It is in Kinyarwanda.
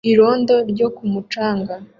Irondo ryo ku mucanga